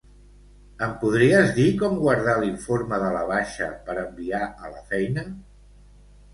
Em podries dir com guardar l'informe de la baixa per enviar a la feina?